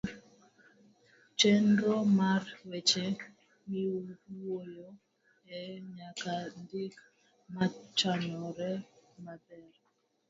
chenro mar weche miwuoyoe nyaka ndik mochanore maber.